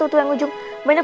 terus anna di situ manger